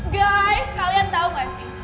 guys kalian tahu gak sih